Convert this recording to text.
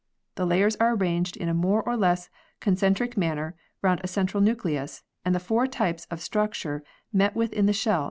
The layers are arranged in a more or less concentric manner, round a central nucleus, and the four types of structure met with in the shell may occur in the pearls.